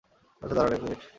আচ্ছা দাঁড়ান, এক মিনিট।